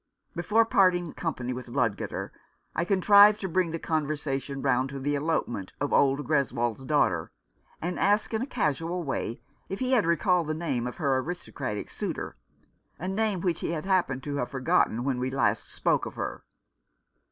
Before parting company with Ludgater I con trived to bring the conversation round to the elope ment of old Greswold's daughter, and asked in a casual way if he had recalled the name of her aristocratic suitor — a name which he happened to have forgotten when we last spoke of her.